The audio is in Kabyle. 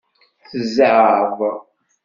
Tezɛeḍ.